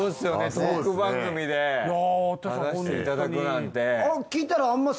トーク番組で話していただくなんて。